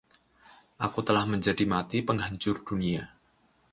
Aku telah menjadi mati, penghancur dunia.